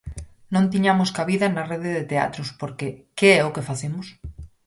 Non tiñamos cabida na Rede de Teatros porque, que é o que facemos?